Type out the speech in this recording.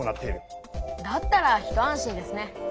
だったら一安心ですね。